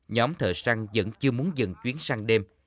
nhóm thợ săn vẫn chưa muốn dần chuyến sang đêm